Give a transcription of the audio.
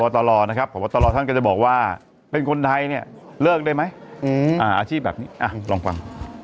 ว่าตลอนะครับว่าตลอท่านก็จะบอกว่าเป็นคนไทยเนี่ยเลิกได้มั้ยอ่าอาชีพแบบนี้อ่าลองกว่าม